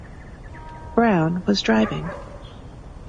Browne was driving.